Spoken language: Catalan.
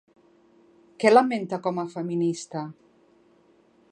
Què lamenta com a feminista?